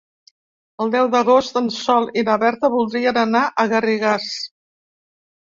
El deu d'agost en Sol i na Berta voldrien anar a Garrigàs.